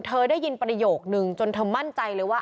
ได้ยินประโยคนึงจนเธอมั่นใจเลยว่า